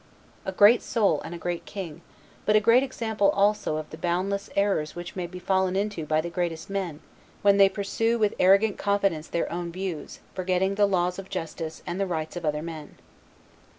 A great soul and a great king; but a great example also of the boundless errors which may be fallen into by the greatest men when they pursue with arrogant confidence their own views, forgetting the laws of justice and the rights of other men.